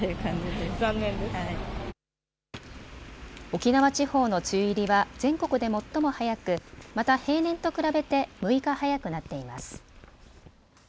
沖縄地方の梅雨入りは全国で最も早く、また平年と比べて６日早くなっています。